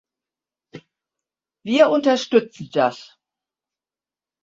Wir unterstützen das.